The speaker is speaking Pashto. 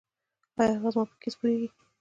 ایا هغه زما په کیس پوهیږي؟